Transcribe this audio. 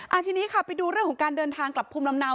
ทีนี้ค่ะไปดูเรื่องของการเดินทางกลับภูมิลำเนา